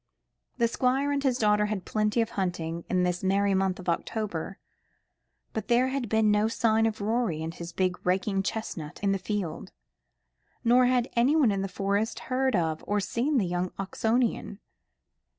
The Squire and his daughter had plenty of hunting in this merry month of October, but there had been no sign of Rorie and his big raking chestnut in the field, nor had anyone in the Forest heard of or seen the young Oxonian.